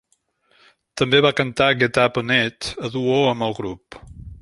També va cantar "Get Up On It" a duo amb el grup.